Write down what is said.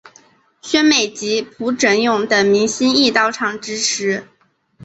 宣美及朴轸永等明星亦到场支持。